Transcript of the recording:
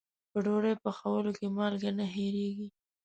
په ډوډۍ پخولو کې مالګه نه هېریږي.